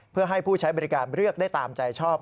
เพื่อให้ผู้ใช้บริการเลือกได้ตามใจชอบ